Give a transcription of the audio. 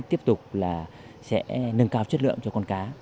tiếp tục là sẽ nâng cao chất lượng cho con cá